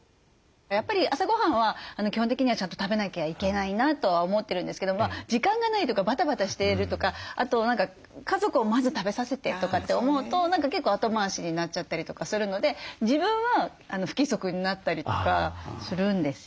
やっぱり朝ごはんは基本的にはちゃんと食べなきゃいけないなとは思ってるんですけど時間がないとかバタバタしているとかあと何か家族をまず食べさせてとかって思うと結構後回しになっちゃったりとかするので自分は不規則になったりとかするんですよね。